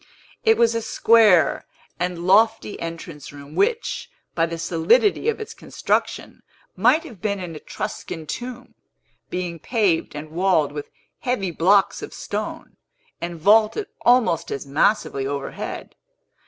It was a square and lofty entrance room, which, by the solidity of its construction, might have been an Etruscan tomb, being paved and walled with heavy blocks of stone, and vaulted almost as massively overhead.